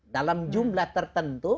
dalam jumlah tertentu